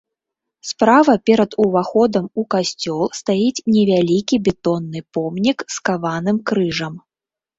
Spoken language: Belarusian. Справа перад уваходам у касцёл стаіць невялікі бетонны помнік з каваным крыжам.